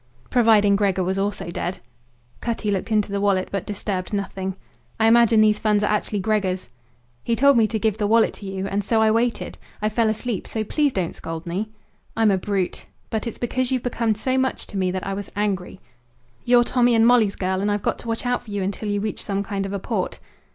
"Providing Gregor was also dead." Cutty looked into the wallet, but disturbed nothing. "I imagine these funds are actually Gregor's." "He told me to give the wallet to you. And so I waited. I fell asleep. So please don't scold me." "I'm a brute! But it's because you've become so much to me that I was angry. You're Tommy and Molly's girl, and I've got to watch out for you until you reach some kind of a port."